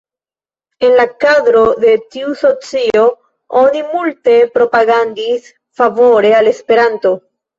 En la kadro de tiu socio, oni multe propagandis favore al Esperanto.